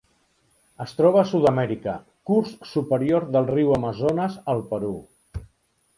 Es troba a Sud-amèrica: curs superior del riu Amazones al Perú.